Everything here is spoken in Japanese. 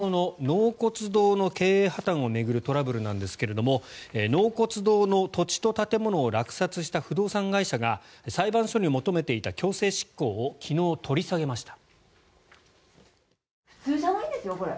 以前この番組でもお伝えしました北海道の札幌の納骨堂の経営破たんを巡るトラブルなんですが納骨堂の土地と建物を落札した不動産会社が裁判所に求めていた強制執行を昨日取り下げました。